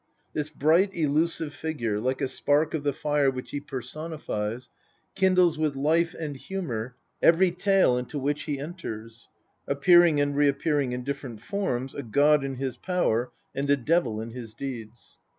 This bright elusive figure, like a spark of the fire which he personifies, kindles with life and humour every tale into which he enters, appearing and reappearing in different forms, a god in his power, and a devil in his deeds.